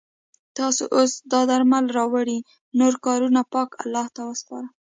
تاسو اوس دا درمل راوړئ نور کارونه پاک الله ته وسپاره.